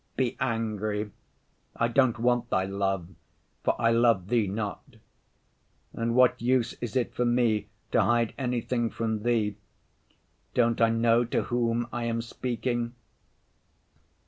Be angry. I don't want Thy love, for I love Thee not. And what use is it for me to hide anything from Thee? Don't I know to Whom I am speaking?